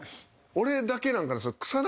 俺だけなんかな？